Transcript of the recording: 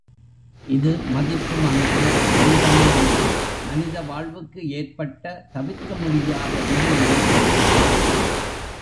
இது மதிப்புமன்று வீரமுமன்று மனித வாழ்வுக்கு ஏற்பட்ட தவிர்க்க முடியாத விதியே இதுதான்.